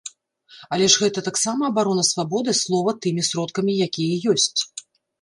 Але ж гэта таксама абарона свабоды слова тымі сродкамі, якія ёсць.